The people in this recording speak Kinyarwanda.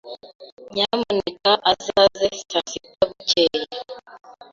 Nyamuneka uzaze saa sita bukeye.